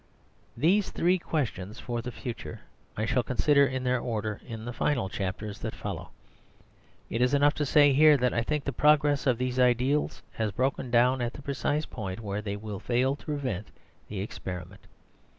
These three questions for the future I shall consider in their order in the final chapters that follow. It is enough to say here that I think the progress of these ideals has broken down at the precise point where they will fail to prevent the experiment.